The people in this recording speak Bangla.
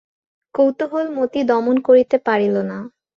কৌতূহল মতি দমন করিতে পারিল না।